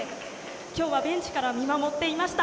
今日はベンチから見守っていました。